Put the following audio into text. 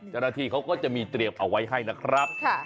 จริงเขาก็จะมีเตรียมเอาไว้ให้นะครับ